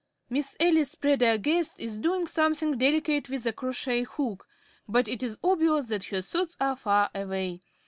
_ Miss Alice Prendergast _is doing something delicate with a crochet hook, but it is obvious that her thoughts are far away.